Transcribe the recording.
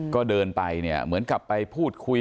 ก็เดินไปเหมือนกลับไปพูดคุย